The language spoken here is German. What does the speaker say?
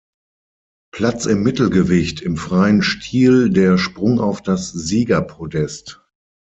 Platz im Mittelgewicht im freien Stil der Sprung auf das Siegerpodest.